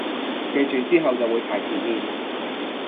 記住之後就會排前面